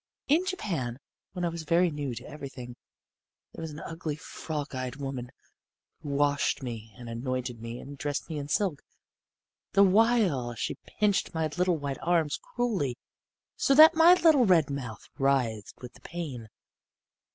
In Japan, when I was very new to everything, there was an ugly frog eyed woman who washed me and anointed me and dressed me in silk, the while she pinched my little white arms cruelly, so that my little red mouth writhed with the pain.